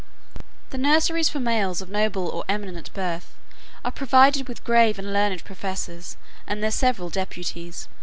The nurseries for males of noble or eminent birth, are provided with grave and learned professors, and their several deputies.